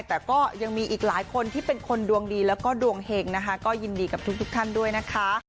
แต่ก็ยังมีอีกหลายคนที่เป็นคนดวงดีแล้วก็ดวงเห็งนะคะก็ยินดีกับทุกท่านด้วยนะคะ